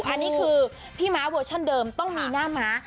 อันนี้คือพี่ม้าเวอร์ชันเดิมต้องมีหน้าม้า